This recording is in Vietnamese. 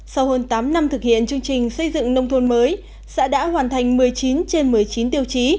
sau hơn tám năm thực hiện chương trình xây dựng nông thôn mới xã đã hoàn thành một mươi chín trên một mươi chín tiêu chí